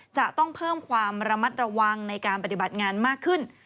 จะต้องเพิ่มความระมัดระวังในการปฏิบัติงานมากขึ้น